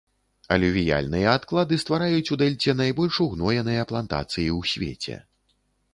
Алювіяльныя адклады ствараюць у дэльце найбольш угноеныя плантацыі ў свеце.